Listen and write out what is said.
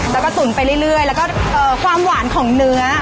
แล้วก็ตุ๋นไปเรื่อยแล้วก็ความหวานของเนื้อ